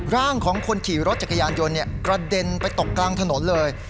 ร่างของคนขี่รถจักรยานยนต์กระเด็นไปตกกลางถนนเลย